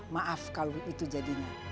maaf kalau itu jadinya